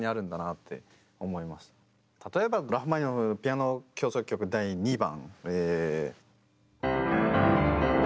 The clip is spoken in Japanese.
例えばラフマニノフの「ピアノ協奏曲第２番」。